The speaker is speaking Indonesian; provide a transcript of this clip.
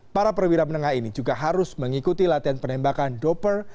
para perwira menengah ini juga harus mengikuti latihan penembakan doper